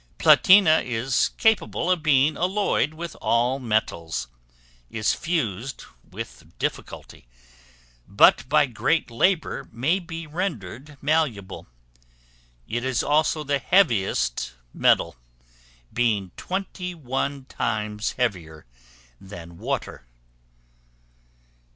Platina is capable of being alloyed with all metals; is fused with difficulty, but by great labor may be rendered malleable: it is also the heaviest metal, being 21 times heavier than water.